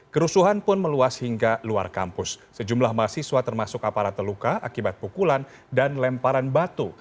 kerusuhan pun meluas hingga luar kampus sejumlah mahasiswa termasuk aparat terluka akibat pukulan dan lemparan batu